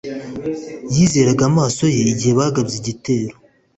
Yizeraga amaso ye igihe bagabye igitero